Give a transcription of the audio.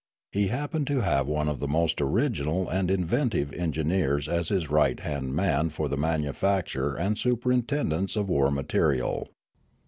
He happened to have one of the most original and inventive engineers as his right hand man for the manufacture and superintendence of war material.